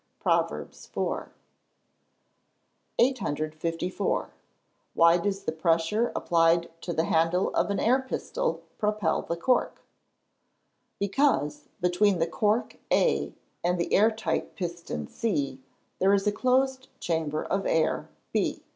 PROVERBS IV.] 854. Why does the pressure applied to the handle of an air pistol propel the cork? Because, between the cork A and the air tight piston C, there is a closed chamber of air B.